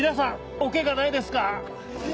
おケガないですか？